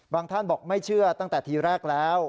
ท่านบอกไม่เชื่อตั้งแต่ทีแรกแล้ว